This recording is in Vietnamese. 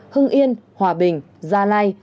hưng yên hòa bình gia lai